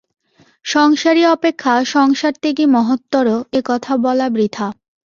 সংসারী অপেক্ষা সংসারত্যাগী মহত্তর, এ-কথা বলা বৃথা।